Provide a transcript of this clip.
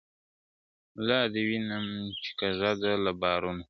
ملا دي وینم چی کږه ده له بارونو !.